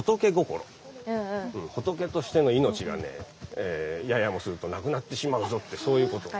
仏としての命がねややもするとなくなってしまうぞってそういうこと。